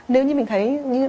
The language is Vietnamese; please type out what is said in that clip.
nếu như mình thấy